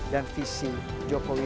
dan visi jokowi